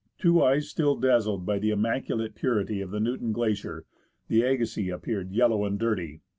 To eyes still dazzled by the im maculate purity of the Newton Glacier, the Agassiz appeared yellow and dirty.